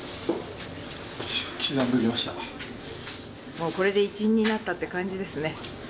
もうこれで一員になったって感じですね